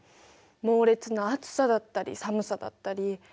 猛烈な暑さだったり寒さだったり。